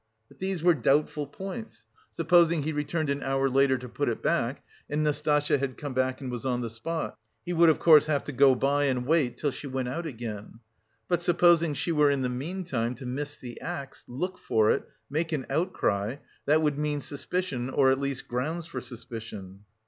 But these were doubtful points. Supposing he returned an hour later to put it back, and Nastasya had come back and was on the spot. He would of course have to go by and wait till she went out again. But supposing she were in the meantime to miss the axe, look for it, make an outcry that would mean suspicion or at least grounds for suspicion.